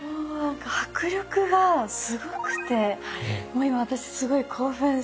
迫力がすごくてもう今私すごい興奮してますね。